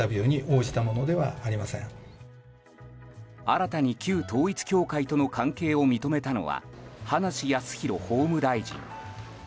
新たに旧統一教会との関係を認めたのは葉梨康弘法務大臣。